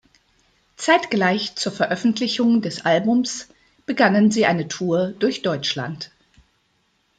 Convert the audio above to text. Zeitgleich zur Veröffentlichung des Albums begannen sie eine Tour durch Deutschland.